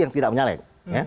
yang tidak menyaleg